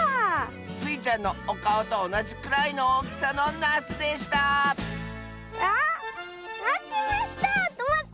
スイちゃんのおかおとおなじくらいのおおきさのなすでしたあまってましたトマト！